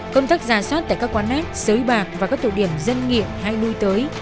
công tác giả soát tại các quán nét xới bạc và các tự điểm dân nghiện hay nuôi tới